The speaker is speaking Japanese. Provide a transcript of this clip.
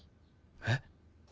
えっ？